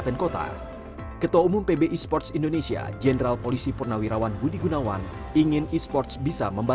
yang kedua aku merumuskan dan menyusun dan membangun visi pb esports indonesia